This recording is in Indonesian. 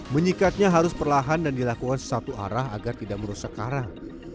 menyikatnya harus perlahan dan dilakukan sesatu arah agar tidak merusak karang